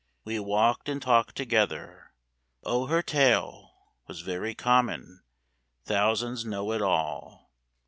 We walked and talked together. O her tale Was very common; thousands know it all!